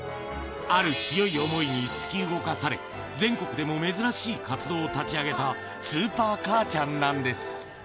ある強い想いに突き動かされ、全国でも珍しい活動を立ち上げた、スーパー母ちゃんなんです。